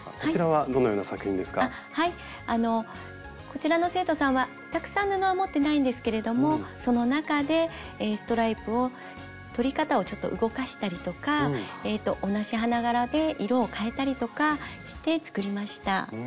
こちらの生徒さんはたくさん布は持ってないんですけれどもその中でストライプを取り方をちょっと動かしたりとか同じ花柄で色をかえたりとかして作りました。